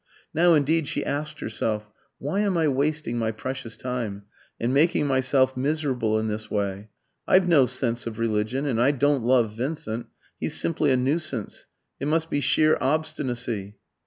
Now indeed she asked herself "Why am I wasting my precious time and making myself miserable in this way? I've no sense of religion, and I don't love Vincent he's simply a nuisance. It must be sheer obstinacy."